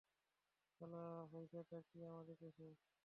শালা, হয়েছেটা কী আমাদের দেশের?